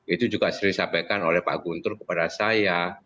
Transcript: itu juga sering disampaikan oleh pak guntur kepada saya